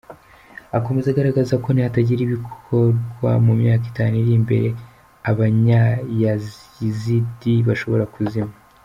Akomeza agaragaza ko nihatagira igikorwa , mu myaka itanu iri imbere abanyayazidi bashobora kuzima.